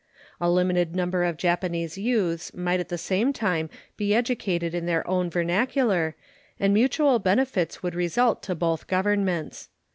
A limited number of Japanese youths might at the same time be educated in our own vernacular, and mutual benefits would result to both Governments.